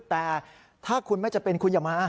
แต่ถ้าคุณไม่จำเป็นคุณอย่ามา